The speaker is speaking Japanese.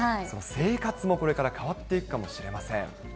生活もこれから変わっていくかもしれません。